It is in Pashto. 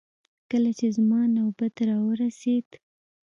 کله چې زما نوبت راورسېد.